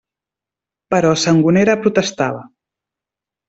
Però Sangonera protestava.